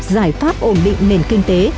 giải pháp ổn định nền kinh tế